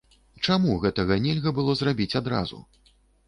Чаму гэтага нельга было зрабіць адразу?